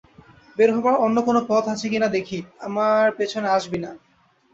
বের হবার অন্য কোন পথ আছে কিনা দেখি, আমার পেছনে আসবি না।